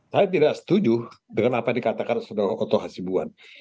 saya tidak setuju dengan apa yang dikatakan saudara oto hasibuan